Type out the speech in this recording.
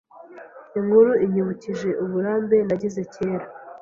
Inkuru inyibukije uburambe nagize kera.